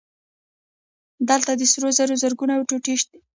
دلته د سرو زرو زرګونه ټوټې وې